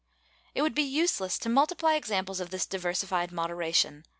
^ It would be useless to multiply examples of this diversified moderation.